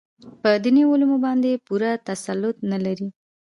په دیني علومو باندې پوره تسلط نه لري.